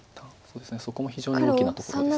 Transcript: そこも非常に大きなところです。